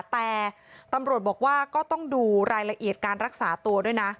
แต่ตำรวจบอกว่าก็ต้องดูรายละเอียดการรักษาตัวด้วยนะ